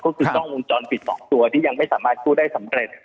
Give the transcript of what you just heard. ก็คือกล้องวงจรปิด๒ตัวที่ยังไม่สามารถกู้ได้สำเร็จ